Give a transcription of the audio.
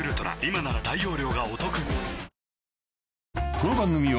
［この番組を］